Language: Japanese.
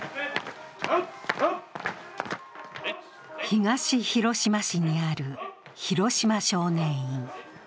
東広島市にある広島少年院。